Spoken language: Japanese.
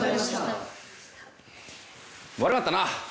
悪かったな。